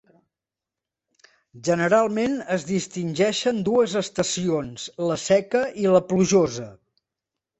Generalment es distingeixen dues estacions, la seca i la plujosa.